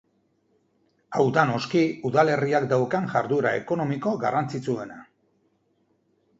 Hau da noski udalerriak daukan jarduera ekonomiko garrantzitsuena.